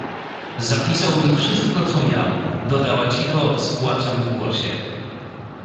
"Zapisał mi wszystko co miał..., dodała cicho z płaczem w głosie."